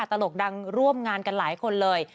ตลกดังร่วมงานกันหลายคนเลย